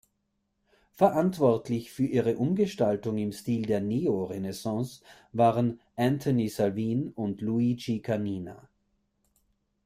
Verantwortlich für ihre Umgestaltung im Stil der Neorenaissance waren Anthony Salvin und Luigi Canina.